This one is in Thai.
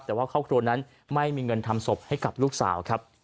แต่ว่าครอบครัวนั้นไม่มีเงินทำศพให้กับลูกสาวครับ